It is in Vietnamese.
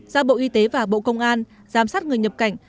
giao bộ y tế và bộ công an giám sát người nhập cảnh